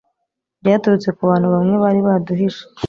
byaturutse ku bantu bamwe bari baduhishe